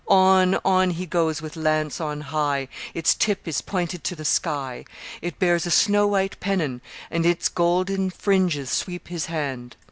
On, on he goes with lance on high Its tip is pointed to the sky; It bears a snow white pennon, and Its golden fringes sweep his hand.